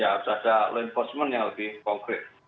ya harus ada reinforcement yang lebih konkret